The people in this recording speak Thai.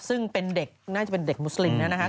ซึ่งเป็นเด็กน่าจะเป็นเด็กมุสลิมนะครับ